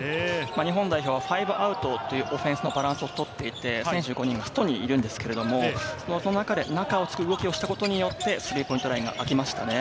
日本代表はファイブアウトというオフェンスのバランスを取っていて、選手５人が外にいるんですけれど、中を突く動きをしたことで、スリーポイントラインがあきましたね。